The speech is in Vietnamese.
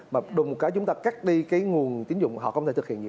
mà đùng cỏ chúng ta cắt đi cái nguồn tín dụng họ không thể thực hiện dự án